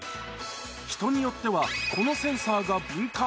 人によっては、このセンサーが敏感。